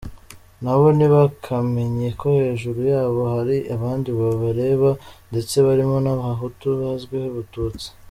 Nabo ntibakamenye ko hejuru yabo hari abandi babareba, ndetse barimo n’abahutu bazwiho ubututsi.